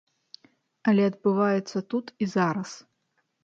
Але адбываецца тут і зараз.